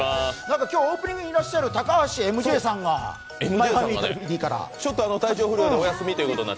今日オープニングにいらっしゃる高橋ＭＫさんがちょっと体調不良でお休みということで。